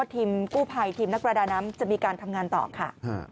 ทีมกู้ภัยทีมนักประดาน้ำจะมีการทำงานต่อค่ะ